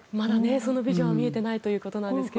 そのビジョンは見えていないということですが。